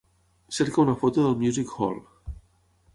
Cerca una foto del Music Hole.